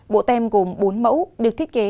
bộ tem gồm bốn mẫu được thiết kế